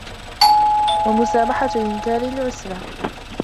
وَمُسَامَحَةُ إنْكَارٍ لِعُسْرَةٍ